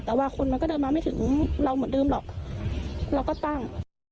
แต่ว่าคนมันก็เดินมาไม่ถึงเราเหมือนเดิมหรอกเราก็ตั้ง